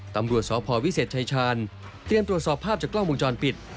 ตำรวจสพวิเศษชายชาญเตรียมตรวจสอบภาพจากกล้องวงจรปิด